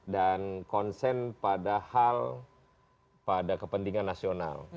dan konsen pada hal pada kepentingan nasional